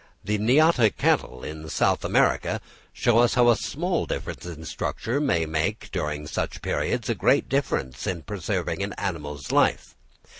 The Niata cattle in South America show us how small a difference in structure may make, during such periods, a great difference in preserving an animal's life.